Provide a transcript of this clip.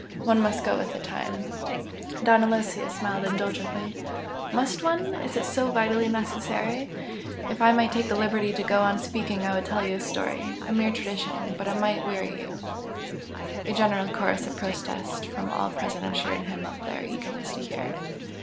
one must go with the time " Don Aloysius smiled indulgently. "Must one? Is it so vitally necessary? If I might take the liberty to go on speaking I would tell you a story a mere tradition but it might weary you " A general chorus of protest from all present assured him of their eagerness to hear.